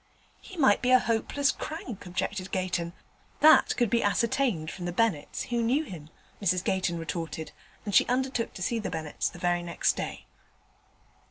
'He might be a hopeless crank,' objected Gayton. 'That could be ascertained from the Bennetts, who knew him,' Mrs Gayton retorted; and she undertook to see the Bennetts the very next day.